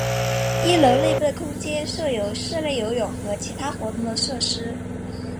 一楼内部的空间设有室内游泳池和其他活动设施。